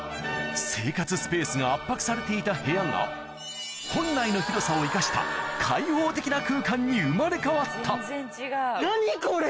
生活スペースが圧迫されていた部屋が本来の広さを生かした開放的な空間に生まれ変わった何これ！